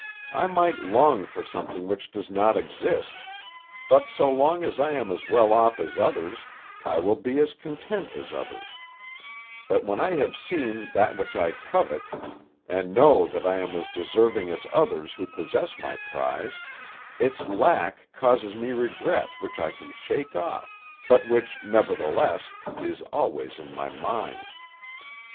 I might long for something which does not exist, but so long as I am as well off as others, I will be as content as others; but when I have seen that which I covet, and know that I am as deserving as others who possess my prize, its lack causes me regret which I can shake off, but which, nevertheless, is always in my mind.